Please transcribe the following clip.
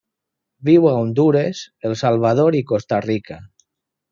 Viu a Hondures, El Salvador i Costa Rica.